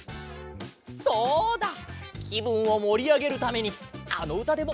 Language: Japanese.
そうだきぶんをもりあげるためにあのうたでもうたおっか！